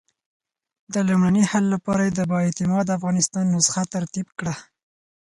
د لومړني حل لپاره یې د با اعتماده افغانستان نسخه ترتیب کړه.